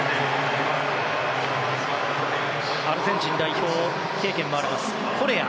アルゼンチン代表経験もあります、コレア。